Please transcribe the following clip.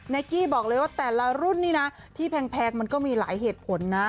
กี้บอกเลยว่าแต่ละรุ่นนี่นะที่แพงมันก็มีหลายเหตุผลนะ